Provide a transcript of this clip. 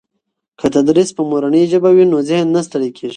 که تدریس په مورنۍ ژبه وي نو ذهن نه ستړي کېږي.